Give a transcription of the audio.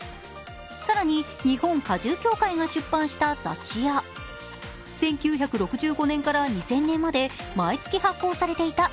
更に日本果汁協会が出版した雑誌や１９６５年から２０００年まで毎月発行されていた